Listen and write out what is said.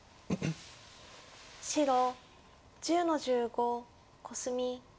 白１０の十五コスミ。